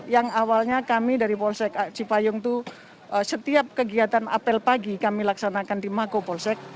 yang awalnya kami dari polsek cipayung itu setiap kegiatan apel pagi kami laksanakan di mako polsek